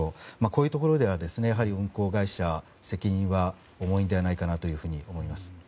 こういうところでは運航会社の責任は重いのではないかと思います。